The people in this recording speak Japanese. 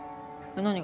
何が？